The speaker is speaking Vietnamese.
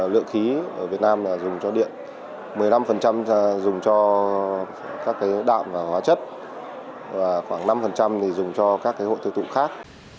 tám mươi lượng khí ở việt nam dùng cho điện một mươi năm dùng cho các đạm và hóa chất và khoảng năm dùng cho các hội tiêu thụ khác